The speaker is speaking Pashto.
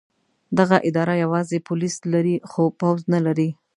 دغه اداره یوازې پولیس لري خو پوځ نه لري.